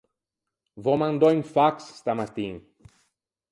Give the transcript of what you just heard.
V’ò mandou un fax stamattin.